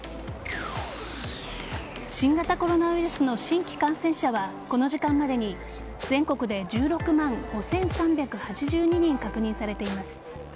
新型コロナウイルスの新規感染者はこの時間までに全国で１６万５３８２人確認されています。